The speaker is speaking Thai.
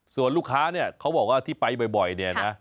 ส่วนลูกค้าเนี่ยเขาบอกว่าที่ไปบ่อยเนี่ยนะ